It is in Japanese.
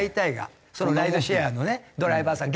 ライドシェアのドライバーさん。